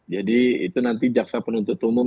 jadi itu nanti jaksa penuntut umum